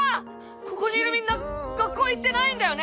ここにいるみんな学校行ってないんだよね？